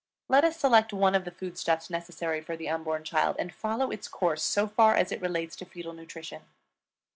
Let us select one of the foodstuffs necessary for the unborn child, and follow its course so far as it relates to fetal nutrition.